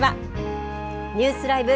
ニュースＬＩＶＥ！